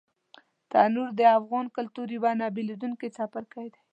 تنور د افغان کلتور یو نه بېلېدونکی څپرکی دی